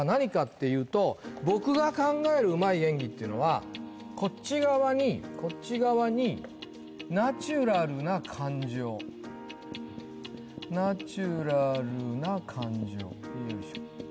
僕が考えるうまい演技っていうのはこっち側にこっち側にナチュラルな感情ナチュラルな感情よいしょ